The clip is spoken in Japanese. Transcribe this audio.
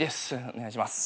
お願いします」